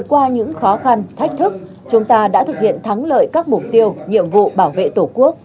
qua những khó khăn thách thức chúng ta đã thực hiện thắng lợi các mục tiêu nhiệm vụ bảo vệ tổ quốc